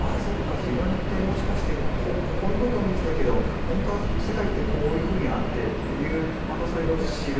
自分ってもしかしてここの部分を見てたけど本当は世界ってこういうふうにあって」っていうまたそれを「知る」。